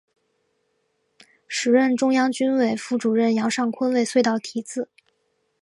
时任中央军委副主席杨尚昆为隧道题字。